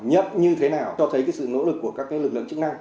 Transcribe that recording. nhấp như thế nào cho thấy sự nỗ lực của các lực lượng chức năng